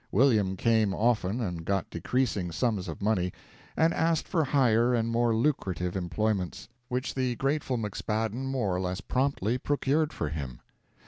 William came often and got decreasing sums of money, and asked for higher and more lucrative employments which the grateful McSpadden more or less promptly procured for him.